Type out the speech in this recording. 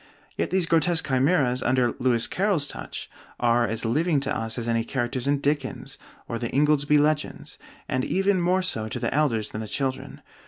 Yet these grotesque chimeras, under Lewis Carroll's touch, are as living to us as any characters in Dickens or the 'Ingoldsby Legends,' and even more so to the elders than the children.